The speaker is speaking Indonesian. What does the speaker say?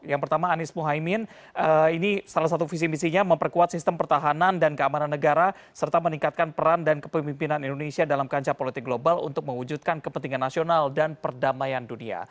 yang pertama anies mohaimin ini salah satu visi misinya memperkuat sistem pertahanan dan keamanan negara serta meningkatkan peran dan kepemimpinan indonesia dalam kancah politik global untuk mewujudkan kepentingan nasional dan perdamaian dunia